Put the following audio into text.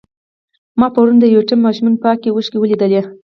ما پرون د یو یتیم ماشوم پاکې اوښکې ولیدلې.